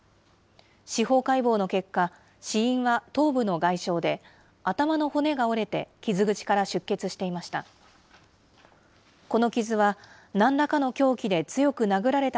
司法解剖の結果、死因は頭部の外傷で、頭の骨が折れて傷口から出血していました。